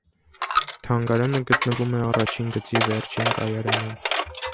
Թանգարանը գտնվում է առաջին գծի վերջին կայարանում։